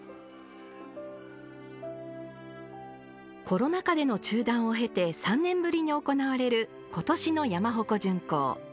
コロナ禍での中断を経て３年ぶりに行われることしの山鉾巡行。